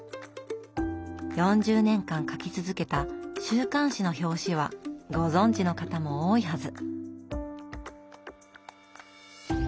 ４０年間描き続けた週刊誌の表紙はご存じの方も多いはず。